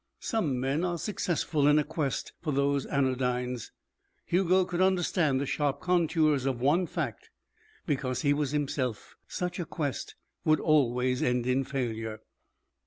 Some men are successful in a quest for those anodynes. Hugo could understand the sharp contours of one fact: because he was himself, such a quest would always end in failure.